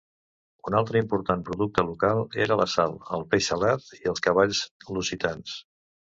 Un altre important producte local era la sal, el peix salat i els cavalls lusitans.